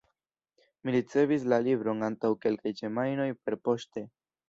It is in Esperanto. Mi ricevis la libron antaŭ kelkaj semajnoj perpoŝte.